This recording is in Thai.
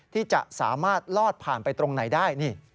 ที่จะสามารถลอดผ่านไปตรงไหนได้